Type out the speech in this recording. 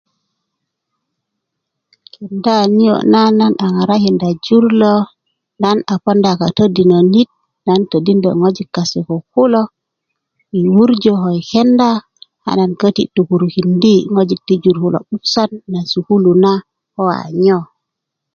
kenda niyo na nan a ŋarakinda jur lo nan a ponda katodinonit nan todindö ŋojik kase ko kulo i wurjö ko i kenda a nan köti tukurukindi ŋojik ti jur kulo 'busan na sukulu na ko a nyo